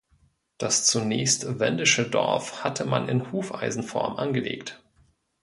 Das zunächst wendische Dorf hatte man in Hufeisenform angelegt.